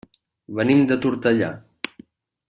Venim de Tortellà.